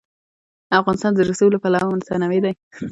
افغانستان د رسوب له پلوه متنوع دی.